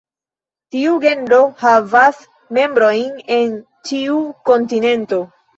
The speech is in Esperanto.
Tiu genro havas membrojn en ĉiu kontinento.